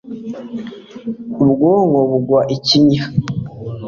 ubwonko bugwa ikinya